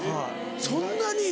そんなに？